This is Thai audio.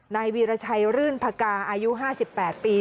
นายวีรชัยรื่นพกาอายุ๕๘ปี